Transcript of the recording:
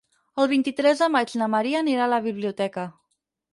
El vint-i-tres de maig na Maria anirà a la biblioteca.